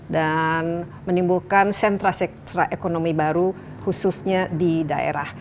dan menimbulkan sentra sentra ekonomi baru khususnya di daerah